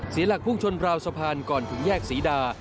เสียหลักภูมิชลราวสะพานก่อนถึงแยกสีดา